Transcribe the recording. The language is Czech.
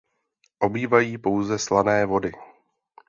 Obývají pouze slané vody.